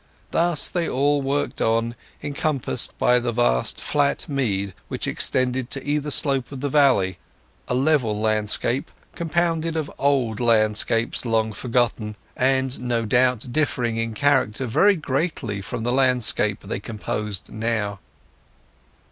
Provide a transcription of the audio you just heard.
Thus they all worked on, encompassed by the vast flat mead which extended to either slope of the valley—a level landscape compounded of old landscapes long forgotten, and, no doubt, differing in character very greatly from the landscape they composed now.